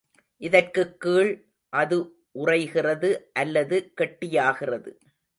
இதற்குக் கீழ் அது உறைகிறது அல்லது கெட்டியாகிறது.